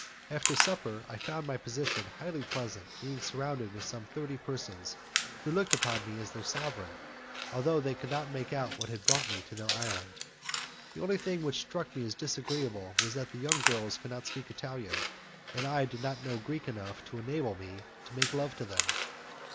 After supper, I found my position highly pleasant, being surrounded with some thirty persons who looked upon me as their sovereign, although they could not make out what had brought me to their island. The only thing which struck me as disagreeable was that the young girls could not speak Italian, and I did not know Greek enough to enable me to make love to them.